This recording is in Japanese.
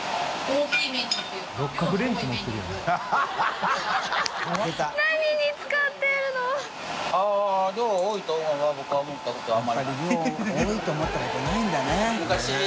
笋辰僂量多いと思ったことないんだね。